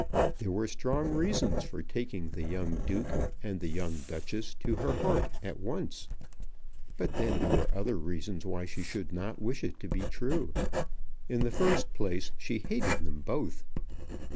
There were strong reasons for taking the young Duke and the young Duchess to her heart at once. But then there were other reasons why she should not wish it to be true. In the first place she hated them both.